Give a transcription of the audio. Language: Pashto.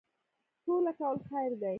سوله کول خیر دی